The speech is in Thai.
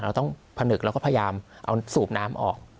เราต้องผนึกแล้วก็พยายามเอาสูบน้ำออก